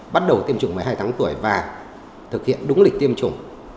bắt đầu tiêm chủng một mươi hai tháng tuổi và thực hiện đúng lịch tiêm chủng